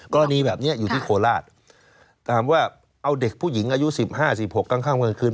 กรณีแบบนี้อยู่ที่โคราชถามว่าเอาเด็กผู้หญิงอายุ๑๕๑๖ข้างกลางคืน